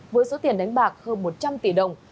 với số tiền đánh bạc hơn một trăm linh tỷ đồng